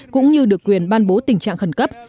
cũng như được quyền ban bố tình trạng khẩn cấp